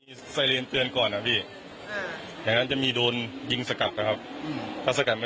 ก็คงจะยุ่งเลิกครับพี่เพราะว่าคนไทยคนไทยเนี่ยตายเยอะมากครับพี่